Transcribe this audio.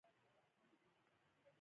وخت بدلیږي زیاتي امن راروان دی